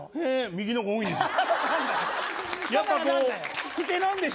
右の方が多いんですよ。